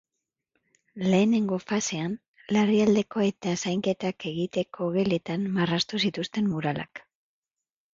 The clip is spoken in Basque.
Lehenengo fasean, larrialdietako eta zainketak egiteko geletan marraztu zituzten muralak.